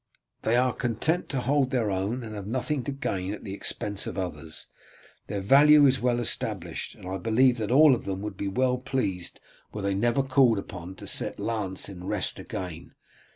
They are content to hold their own, and have nothing to gain at the expense of others. Their value is well established, and I believe that all of them would be well pleased were they never called upon to set lance in rest again.